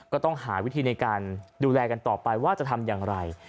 ก็ต้องหาวิธีในการดูแลกันต่อไปว่าจะทำอย่างไร